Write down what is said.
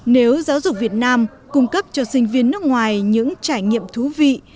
nếu giáo dục việt nam cung cấp cho sinh viên nước ngoài những trải nghiệm thú vị